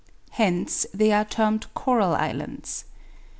Hence they are termed coral islands.